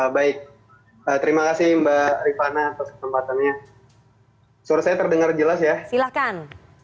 baik terima kasih mbak rifana atas kesempatannya suara saya terdengar jelas ya silahkan